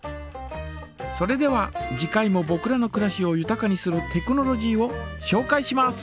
それでは次回もぼくらのくらしをゆたかにするテクノロジーをしょうかいします。